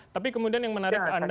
tapi kemudian yang menarik ke anda